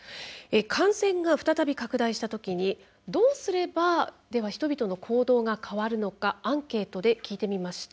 感染が再び拡大したときにどうすれば人々の行動が変わるのかアンケートで聞いてみました。